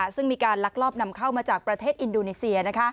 ซึ่งมีการลักลอบนำเข้ามาจากประเทศอินโดนีเซีย